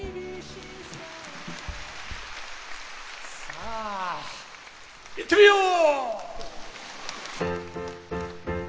さあいってみよう！